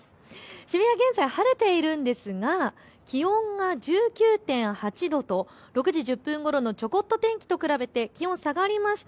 渋谷、現在晴れているんですが気温が１９．８度と６時１０分ごろのちょこっと天気と比べて気温、下がりました。